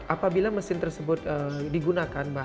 apabila mesin tersebut digunakan